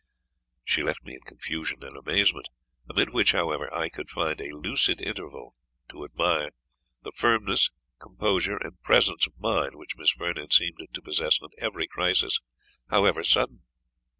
She left me in confusion and amazement; amid which, however, I could find a lucid interval to admire the firmness, composure, and presence of mind which Miss Vernon seemed to possess on every crisis, however sudden.